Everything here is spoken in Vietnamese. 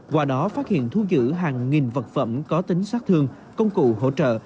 qua đó phát hiện thu giữ hàng nghìn vật phẩm có tính sát thương công cụ hỗ trợ